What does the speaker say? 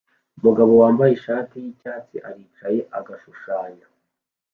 Umugabo wambaye ishati yicyatsi aricaye agashushanya